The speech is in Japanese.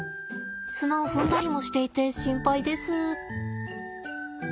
砂を踏んだりもしていて心配です。